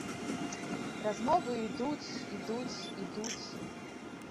Размовы ідуць, ідуць, ідуць.